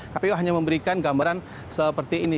kpu hanya memberikan gambaran seperti ini